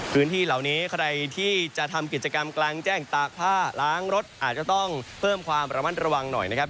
พื้นที่เหล่านี้ใครที่จะทำกิจกรรมกลางแจ้งตากผ้าล้างรถอาจจะต้องเพิ่มความระมัดระวังหน่อยนะครับ